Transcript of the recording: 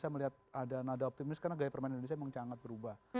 saya melihat ada nada optimis karena gaya permainan indonesia memang sangat berubah